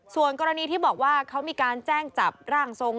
ส่วนกรณีที่บอกว่าเขามีการแจ้งจับร่างทรง